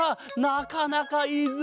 なかなかいいぞ！